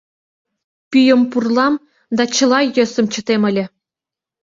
Пӱйым пурлам да чыла йӧсым чытем ыле...